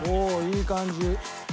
いい感じ。